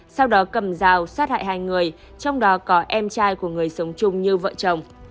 sau đó cầm rào sát hại hai người trong đó có em trai của người sống chung như vợ chồng